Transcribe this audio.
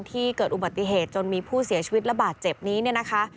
ที่เกิดอุบัติเหตุจนมีผู้เสียชีวิตระบาดเจ็บนี้เนี่ยนะคะ